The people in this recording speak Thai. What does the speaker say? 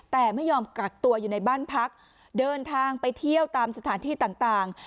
แต่ไม่ยอมกักตัวอยู่ในบ้านพักเดินทางไปเที่ยวตามสถานที่ต่าง